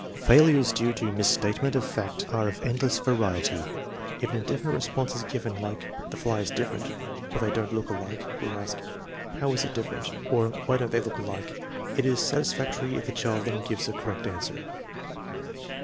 Failures due to misstatement of fact are of endless variety. If an indefinite response is given, like "The fly is different," or "They don't look alike,'* we ask, "How is it different?" or, "Why don't they look alike?" It is satisfactory if the child then gives a correct answer.